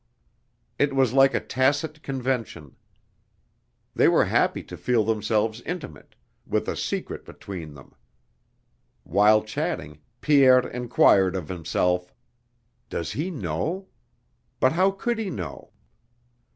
It was like a tacit convention. They were happy to feel themselves intimate, with a secret between them. While chatting Pierre inquired of himself: "Does he know? But how could he know?"